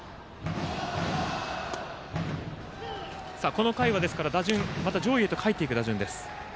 この回は打順上位へと帰っていく打順です。